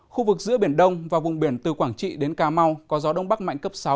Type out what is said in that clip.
khu vực giữa biển đông và vùng biển từ quảng trị đến cà mau có gió đông bắc mạnh cấp sáu